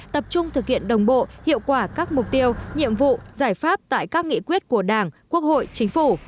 tập trung thực hiện đồng bộ hiệu quả các mục tiêu nhiệm vụ giải pháp tại các nghị quyết của đảng quốc hội chính phủ